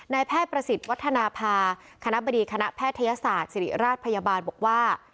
แพทย์ประสิทธิ์วัฒนภาคณะบดีคณะแพทยศาสตร์ศิริราชพยาบาลบอกว่า